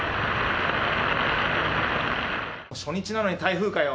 初日なのに台風かよ！